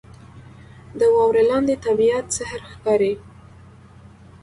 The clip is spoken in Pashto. • د واورې لاندې طبیعت سحر ښکاري.